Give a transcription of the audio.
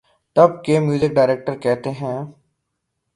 تب کے music director کہتے تھے۔